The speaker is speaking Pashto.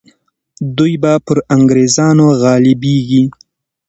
دوی به پر انګریزانو غالبیږي.